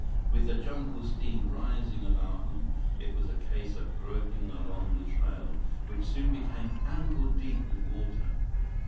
With the jungle steam rising about them, it was a case of groping along the trail, which soon became ankle deep with water.